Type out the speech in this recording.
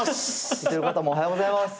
見てる方もおはようございます。